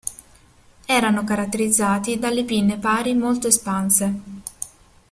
Erano caratterizzati dalle pinne pari molto espanse.